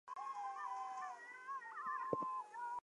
They are among the fastest birds in the world.